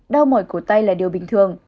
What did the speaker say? đau mỏi cổ tay là điều bình thường